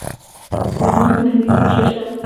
د بغلان په نهرین کې څه شی شته؟